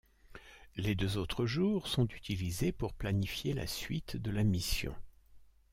Les deux autres jours sont utilisés pour planifier la suite de la mission.